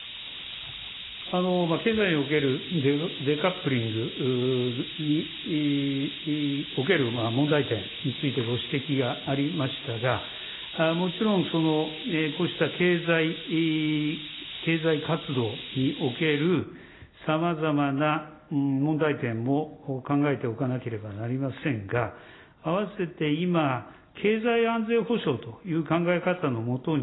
経済におけるデカップリングにおける問題点についてご指摘がありましたが、もちろんこうした経済活動におけるさまざまな問題点も考えておかなければなりませんが、併せて今、経済安全保障という考え方のもとに、